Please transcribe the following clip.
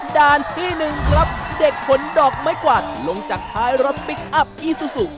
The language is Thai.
ด้านที่๑ครับเด็กขนดอกไม้กวาดลงจากท้ายรถพลิกอัพอีซูซู